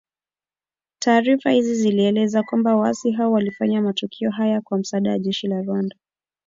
Taarifa hizi zilieleza kwamba Waasi hao walifanya matukio haya kwa msaada wa jeshi la Rwanda